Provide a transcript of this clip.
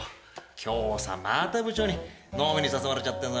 今日さまた部長に飲みに誘われちゃってさ。